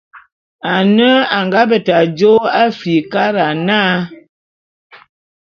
Ane a nga beta jô Afrikara na.